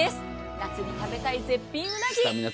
夏に食べたい絶品うなぎ。